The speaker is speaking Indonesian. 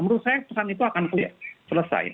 menurut saya pesan itu akan selesai